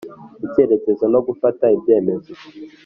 Icyerekezo no gufata ibyemezo